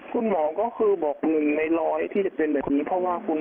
ทุนหมอก็คือบอกมึงในรอยที่จะเป็นแบบงี้